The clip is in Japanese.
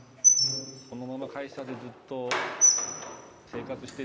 このまま会社でずっと生活してていいんだろうかと。